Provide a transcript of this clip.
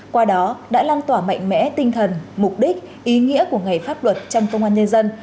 qua đó đã lan tỏa mạnh mẽ tinh thần mục đích ý nghĩa của ngày pháp luật trong công an nhân dân